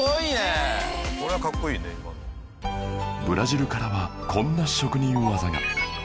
ブラジルからはこんな職人技が